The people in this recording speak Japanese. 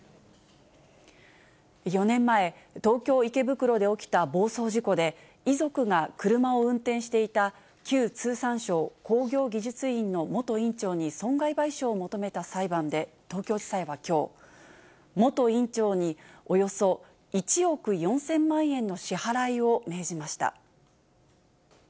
４年前、東京・池袋で起きた暴走事故で、遺族が車を運転していた旧通産省工業技術院の元院長に損害賠償を求めた裁判で、東京地裁はきょう、元院長におよそ１億４０００万円の支払いを命じました。